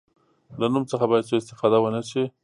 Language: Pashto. له نوم څخه باید سوء استفاده ونه شي.